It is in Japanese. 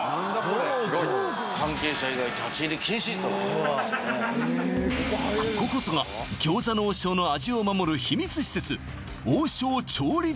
すごい関係者以外立入禁止というこここそが餃子の王将の味を守る秘密施設